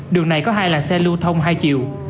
đường này có hai làn xe lưu thông hai chiều